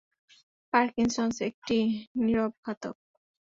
Parkinson's একটা নীরব ঘাতক।